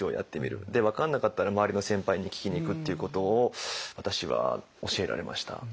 で分かんなかったら周りの先輩に聞きにいくっていうことを私は教えられました。